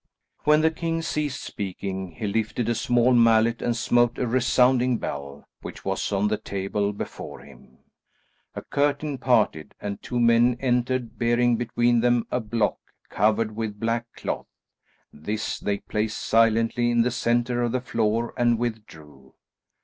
When the king ceased speaking he lifted a small mallet and smote a resounding bell, which was on the table before him. A curtain parted and two men entered bearing between them a block covered with black cloth; this they placed silently in the centre of the floor and withdrew.